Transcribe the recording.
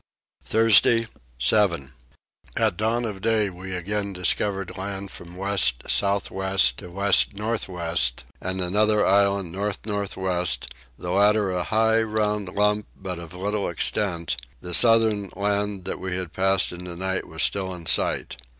Thursday 7. At dawn of day we again discovered land from west south west to west north west, and another island north north west, the latter a high round lump of but little extent: the southern land that we had passed in the night was still in sight.